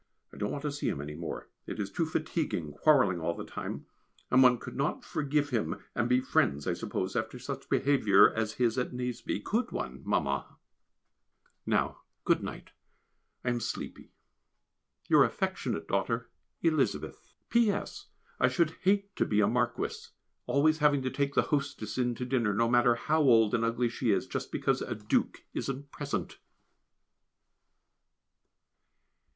I don't want to see him any more, it is too fatiguing quarrelling all the time, and one could not forgive him and be friends I suppose after such behaviour as his at Nazeby could one, Mamma? Now good night; I am sleepy. Your affectionate daughter, Elizabeth. P.S. I should hate to be a marquis always having to take the hostess in to dinner no matter how old and ugly she is, just because a duke isn't present.